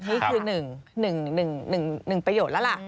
นี่คือ๑๑ประโยชน์แล้วล่ะ